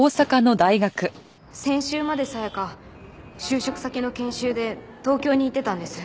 先週まで紗香就職先の研修で東京に行ってたんです。